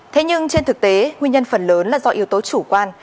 thế nhưng trên thực tế nguyên nhân phần lớn là do yếu tố chủ quan